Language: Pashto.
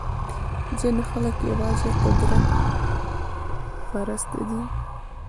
ځینې خلک یوازې قدرت پرسته دي.